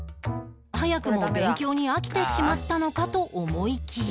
早くも勉強に飽きてしまったのかと思いきや